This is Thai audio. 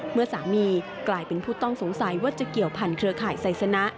เมื่อสามีกลายเป็นผู้ต้องสงสัยว่าจะเกี่ยวพันธเครือข่ายไซสนะ